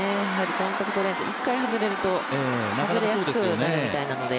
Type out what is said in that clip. コンタクトレンズ、１回外れると外れやすくなるみたいなので。